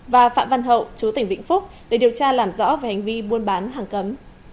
và phạm văn hậu chú tỉnh vĩnh phúc để điều tra làm rõ về hành vi buôn bán hàng cấm